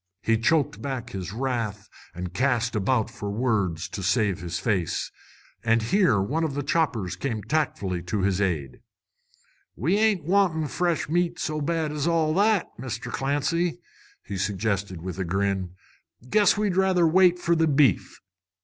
He choked back his wrath and cast about for words to save his face. And here one of his choppers came tactfully to his aid. "We ain't wantin' fresh meat so bad as all that, Mr. Clancy," he suggested, with a grin. "Guess we'd rather wait for the beef."